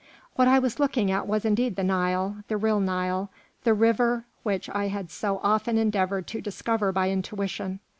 What I was looking at was indeed the Nile, the real Nile, the river which I had so often endeavoured to discover by intuition.